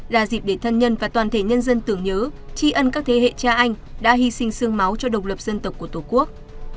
là dịp để thân nhân và toàn thể nhân dân tưởng nhớ tri ân các thế hệ cha anh đã hy sinh sương máu cho độc lập dân tộc của tổ quốc